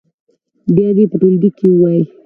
بیا دې یې په ټولګي کې ووایي.